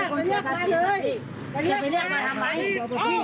เฮ้เธอบอกว่าเธอบอกว่ามันจอดของได้ทุกคนละ